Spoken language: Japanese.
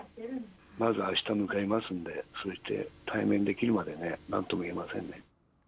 まず、あした向かいますんで、そして対面できるまで、なんとも言えませんね。